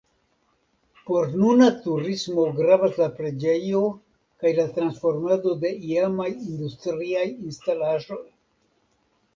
Por nuna turismo gravas la preĝejo kaj la transformado de iamaj industriaj instalaĵoj.